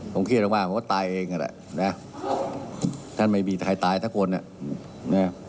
ผมคิดมากว่าตายเองอะแหละท่านไม่มีใครตายทุกคนอะ